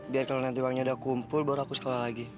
biar kalau nanti uangnya udah kumpul baru aku sekolah lagi